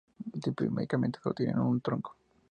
Típicamente sólo tienen un tronco.